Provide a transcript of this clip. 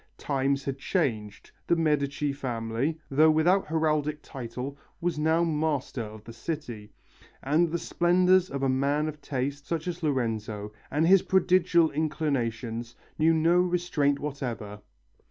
Times had changed, the Medici family, though without heraldic title, was now master of the city, and the splendours of a man of taste, such as Lorenzo, and his prodigal inclinations, knew no restraint whatever.